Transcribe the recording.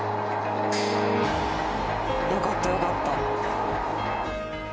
よかったよかった。